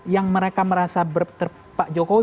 yang mereka merasa pak jokowi